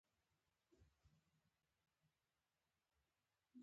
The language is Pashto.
که چېرې تاسې په فعاله توګه بل ته غوږ شئ نو: